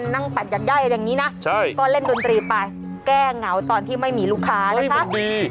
นั่งปัดยัดย่ายอย่างนี้นะก็เล่นดนตรีไปแก้เหงาตอนที่ไม่มีลูกค้านะคะโอ๊ยมันดี